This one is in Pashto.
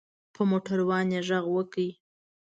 په موټر وان یې غږ وکړ.